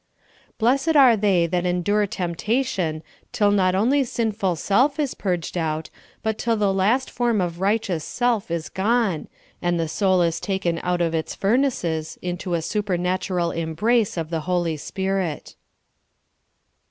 Blessed are they that endure temptation till not only sinful self is purged out, but till the last form of righteous self is gone, and the soul is taken out of its furnaces into a supernatural embrace of the Holy Spirit.